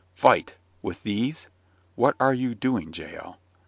"Fight with these? What are you doing, Jael?"